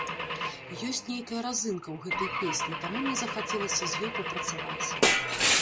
Ёсць нейкая разынка ў гэтай песні, таму мне захацелася з ёй папрацаваць.